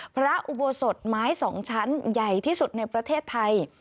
พระอุโบสถไม้๒ชั้นใหญ่ที่สุดในประเทศไทย